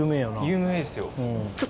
有名ですよ。